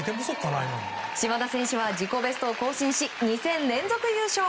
島田選手は自己ベストを更新し２戦連続優勝。